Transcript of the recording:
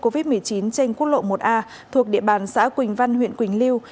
covid một mươi chín trên quốc lộ một a thuộc địa bàn xã quỳnh văn huyện quỳnh lưu